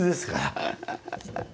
ハハハハ。